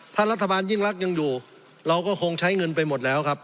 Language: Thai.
ถ้ารัฐบาลยิ่งรักยังอยู่เราก็คงใช้เงินไปหมดแล้วครับ